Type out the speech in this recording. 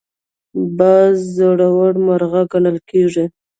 باز زړور مرغه ګڼل کېږي